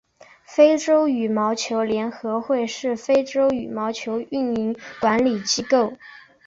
非洲羽毛球联合会是非洲羽毛球运动管理机构。